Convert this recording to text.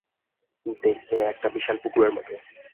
দেখবে একটা বিশাল পুকুরের মতো।